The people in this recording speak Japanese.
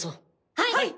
はい！